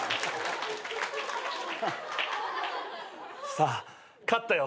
さあ勝ったよ。